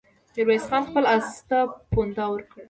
ميرويس خان خپل آس ته پونده ورکړه.